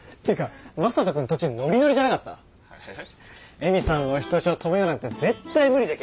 恵美さんのお人よしを止めようなんて絶対無理じゃけえ。